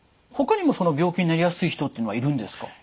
他にもその病気になりやすい人っていうのはいるんですか？